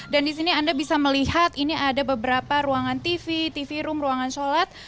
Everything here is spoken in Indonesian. dan disini anda bisa melihat ini ada beberapa ruangan tv tv room ruangan sholat